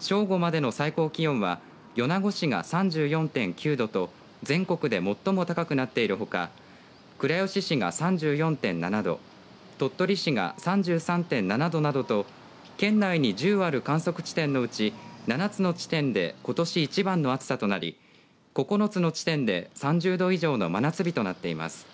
正午までの最高気温は米子市が３４．９度と全国で最も高くなっているほか倉吉市が３４．７度鳥取市が３３．７度などと県内に１０ある観測地点のうち７つの地点でことし一番の暑さとなり９つの地点で、３０度以上の真夏日となっています。